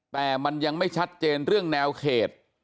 แต่มันยังไม่ชัดเจนเรื่องแนวเขต